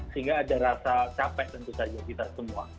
sehingga ada rasa capek tentu saja kita semua